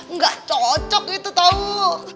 nggak cocok itu tau